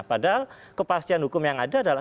padahal kepastian hukum yang ada adalah